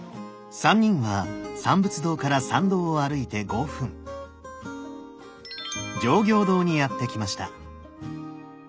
３人は三仏堂から参道を歩いて５分常行堂にやって来ました。